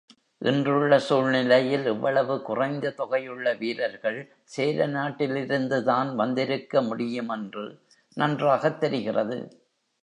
இன்றுள்ள சூழ்நிலையில் இவ்வளவு குறைந்த தொகையுள்ள வீரர்கள் சேரநாட்டிலிருந்துதான் வந்திருக்க முடியுமென்று நன்றாகத் தெரிகிறது.